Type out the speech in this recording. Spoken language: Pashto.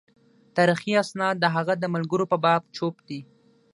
تاریخي اسناد د هغه د ملګرو په باب چوپ دي.